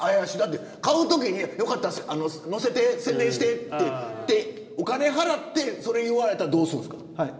買うときによかったら載せて、宣伝してってお金払って、それ言われたらどうするんですか。